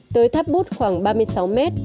tới tháp bút khoảng ba mươi sáu m